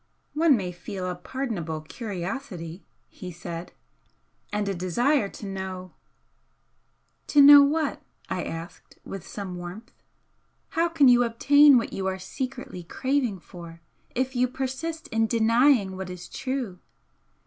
"One may feel a pardonable curiosity," he said, "And a desire to know " "To know what?" I asked, with some warmth "How can you obtain what you are secretly craving for, if you persist in denying what is true?